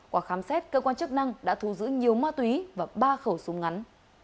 qua khám xét cơ quan chức năng đã thu giữ nhiều ma túy và ba khẩu súng ngắn